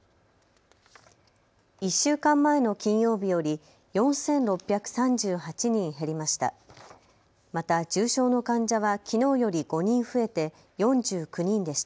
１週間前の金曜日より４６３８人減りました。